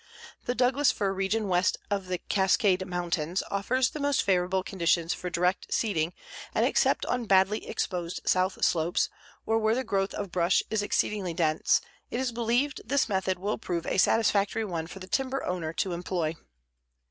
The Douglas fir region west of the Cascade Mountains offers the most favorable conditions for direct seeding and except on badly exposed south slopes, or where the growth of brush is exceedingly dense, it is believed this method will prove a satisfactory one for the timber owner to employ.